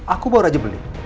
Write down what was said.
aku baru aja beli